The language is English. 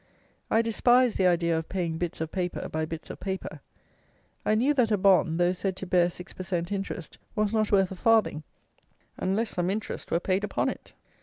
I despised the idea of paying bits of paper by bits of paper. I knew that a bond, though said to bear six per cent. interest, was not worth a farthing, unless some interest were paid upon it.